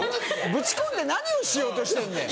ぶち込んで何をしようとしてんだよ。